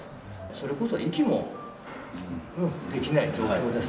それこそ息もできない状況です。